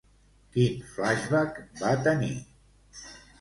Quin flashback va tenir?